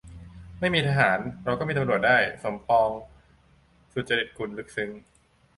"ไม่มีทหาร เราก็มีตำรวจได้" - สมปอง สุจริตกุล ลึกซึ้ง